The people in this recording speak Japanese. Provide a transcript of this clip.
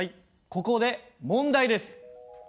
ここで問題です。